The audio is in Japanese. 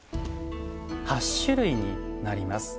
８種類になります。